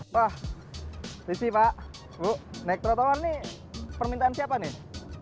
wah sisi pak bu naik trotoar nih permintaan siapa nih